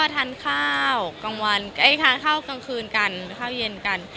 ถ่านข้าวกลางคืนกันข้าเย็นกัน